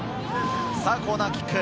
コーナーキック。